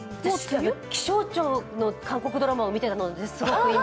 気象庁の韓国ドラマを見てたのですごく今。